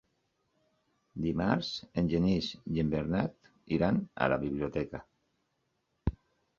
Dimarts en Genís i en Bernat iran a la biblioteca.